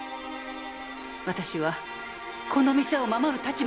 私はこの店を守る立場にあるんです。